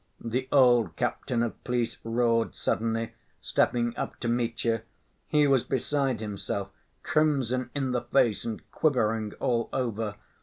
the old captain of police roared suddenly, stepping up to Mitya. He was beside himself, crimson in the face and quivering all over.